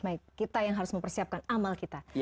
baik kita yang harus mempersiapkan amal kita